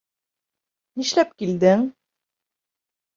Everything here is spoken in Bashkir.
Нишләп килдең?